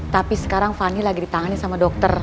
tapi sekarang fanny lagi ditangani sama dokter